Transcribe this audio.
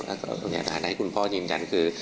ก็จริงเท่าที่สอบถามและกำลังให้คุณพ่อจริงคือ